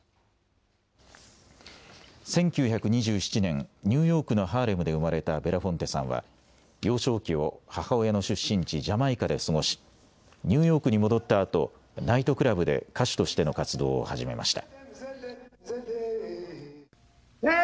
１９２７年、ニューヨークのハーレムで生まれたべラフォンテさんは、幼少期を母親の出身地、ジャマイカで過ごし、ニューヨークに戻ったあと、ナイトクラブで歌手としての活動を始めました。